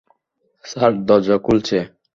Sir, দরজা খুলছে।